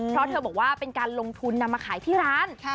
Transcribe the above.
เพราะเธอบอกว่าเป็นการลงทุนนำมาขายที่ร้าน